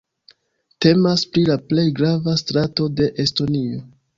Temas pri la plej grava strato de Estonio.